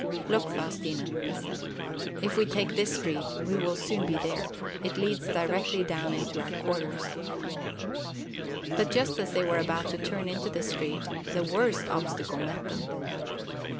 "Look, Faustina," he said, "if we take this street, we will soon be there. It leads directly down to our quarters." But just as they were about to turn into the street, the worst obstacle met them.